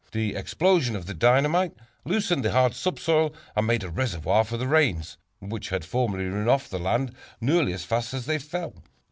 The explosion of the dynamite loosened the hard subsoil, and made a reservoir for the rains, which had formerly run off the land nearly as fast as they fell.